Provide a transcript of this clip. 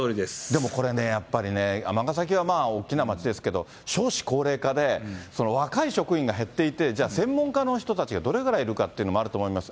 でもこれね、やっぱりね、尼崎は大きな町ですけど、少子高齢化で、若い職員が減っていて、じゃあ、専門家の人たちがどれぐらいいるかっていうのもあると思います。